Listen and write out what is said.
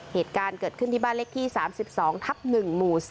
เหตุการณ์เกิดขึ้นที่บ้านเลขที่๓๒ทับ๑หมู่๔